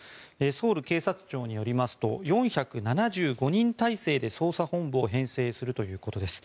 ソウル警察庁によりますと４７５人体制で捜査本部を編成するということです。